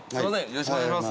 よろしくお願いします。